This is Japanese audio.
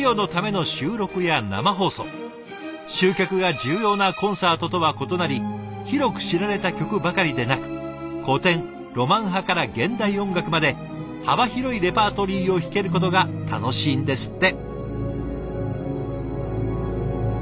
集客が重要なコンサートとは異なり広く知られた曲ばかりでなく古典ロマン派から現代音楽まで幅広いレパートリーを弾けることが楽しいんですって。